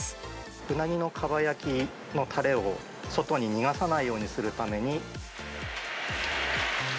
うなぎのかば焼きのたれを、外に逃がさないようにするために。